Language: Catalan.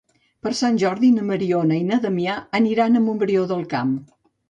Per Sant Jordi na Mariona i na Damià aniran a Montbrió del Camp.